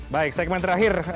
baik segmen terakhir